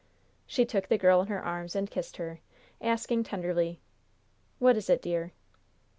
She took the girl in her arms and kissed her, asking tenderly: "What is it, dear?"